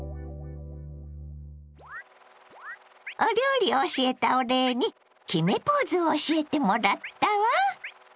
お料理教えたお礼に決めポーズを教えてもらったわ。